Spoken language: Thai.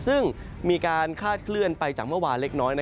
ซึ่งมีการคาดเคลื่อนไปจากเมื่อวานเล็กน้อย